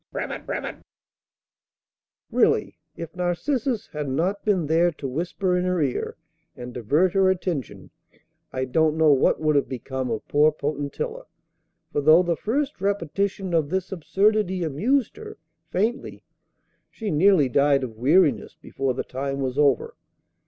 Really, if Narcissus had not been there to whisper in her ear and divert her attention, I don't know what would have become of poor Potentilla, for though the first repetition of this absurdity amused her faintly, she nearly died of weariness before the time was over.